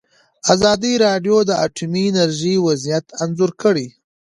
ازادي راډیو د اټومي انرژي وضعیت انځور کړی.